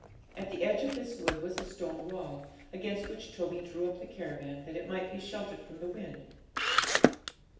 At the edge of this wood was a stone wall, against which Toby drew up the caravan, that it might be sheltered from the wind.